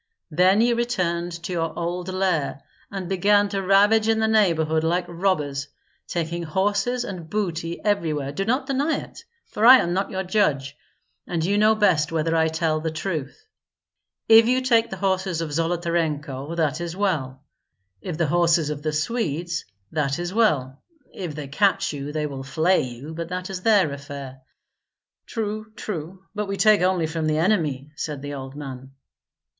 Then you returned to your old lair, and began to ravage in the neighborhood like robbers, taking horses and booty everywhere. Do not deny it, for I am not your judge, and you know best whether I tell the truth. If you take the horses of Zolotarenko, that is well; if the horses of the Swedes, that is well. If they catch you they will flay you; but that is their affair." "True, true; but we take only from the enemy," said the old man.